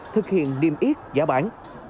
thực hiện niêm yết giá bán